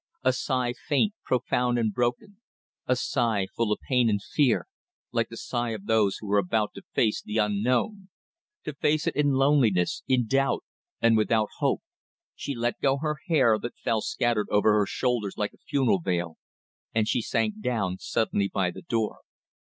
A sigh faint, profound, and broken; a sigh full of pain and fear, like the sigh of those who are about to face the unknown: to face it in loneliness, in doubt, and without hope. She let go her hair, that fell scattered over her shoulders like a funeral veil, and she sank down suddenly by the door.